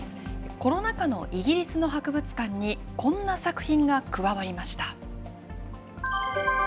コロナ禍のイギリスの博物館に、こんな作品が加わりました。